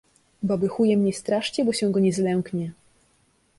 Baby chujem nie straszcie, bo się go nie zlęknie.